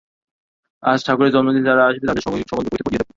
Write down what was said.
আজ ঠাকুরের জন্মদিনে যারা আসবে, তাদের সকলকে পৈতে পরিয়ে দেব।